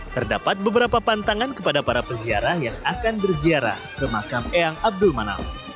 terdapat beberapa pantangan kepada para peziarah yang akan berziarah ke makam eyang abdul manaf